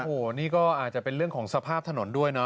โอ้โหนี่ก็อาจจะเป็นเรื่องของสภาพถนนด้วยเนาะ